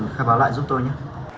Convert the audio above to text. khai báo lại giúp tôi nhé